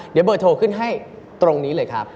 เดี๋ยวเบอร์โทรขึ้นให้ตรงนี้เลยครับ